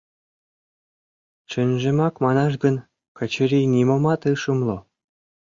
Чынжымак манаш гын, Качырий нимомат ыш умыло.